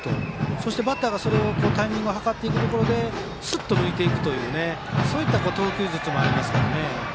そしてバッターがそのタイミングを計っていくところですっと抜いていくというそういった投球術もありますから。